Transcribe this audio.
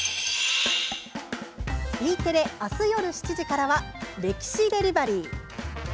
Ｅテレ、あす夜７時からは「歴史デリバリー」。